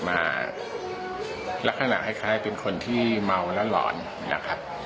มาและข้างหลังให้คล้ายเป็นคนที่เมาและหลอนนะครับ